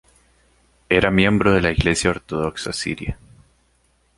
Era miembro de la iglesia ortodoxa siria.